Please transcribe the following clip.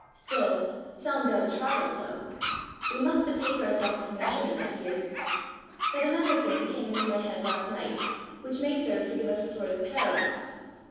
Still, sound does travel so! We must betake ourselves to measurement, I fear. But another thing came into my head last night which may serve to give us a sort of parallax.